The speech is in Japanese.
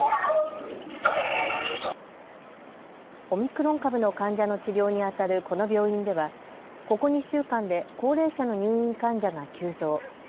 オミクロン株の患者の治療にあたるこの病院ではここ２週間で高齢者の入院患者が急増。